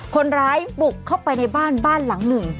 คนร้ายบุกเข้าไปในบ้านบ้านหลังหนึ่ง